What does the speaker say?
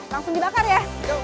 langsung dibakar ya